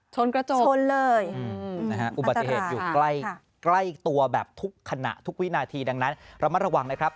กระจกชนเลยนะฮะอุบัติเหตุอยู่ใกล้ตัวแบบทุกขณะทุกวินาทีดังนั้นระมัดระวังนะครับ